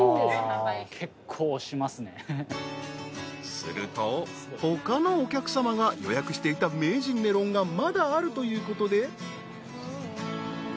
［すると他のお客さまが予約していた名人メロンがまだあるということで］